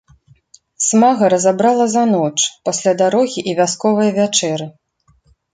Смага разабрала за ноч, пасля дарогі і вясковае вячэры.